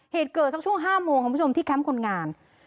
เหตุเกิดสักช่วง๕โมงคุณผู้ชมที่แคมป์คนงาน